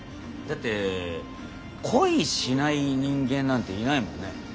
だって恋しない人間なんていないもんね。